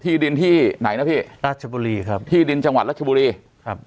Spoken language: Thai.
ที่ดินที่ไหนนะพี่ราชบุรีครับที่ดินจังหวัดรัชบุรีครับ